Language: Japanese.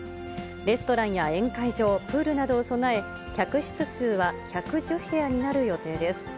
レストランや宴会場、プールなどを備え、客室数は１１０部屋になる予定です。